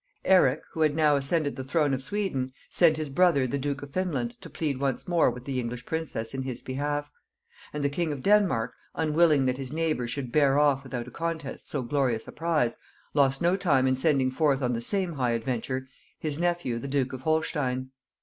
Eric, who had now ascended the throne of Sweden, sent his brother the duke of Finland to plead once more with the English princess in his behalf; and the king of Denmark, unwilling that his neighbour should bear off without a contest so glorious a prize, lost no time in sending forth on the same high adventure his nephew the duke of Holstein.